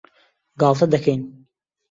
گاڵتە دەکەین.